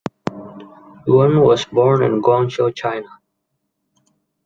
Yuen was born in Guangzhou, China.